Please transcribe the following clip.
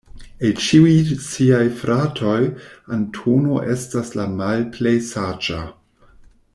El ĉiuj siaj fratoj Antono estas la malplej saĝa.